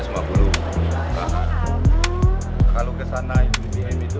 mau yang biasa